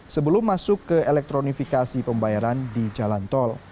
sebelum masuk ke elektronifikasi pembayaran di jalan tol